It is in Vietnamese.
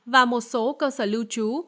và một số cơ sở lưu trú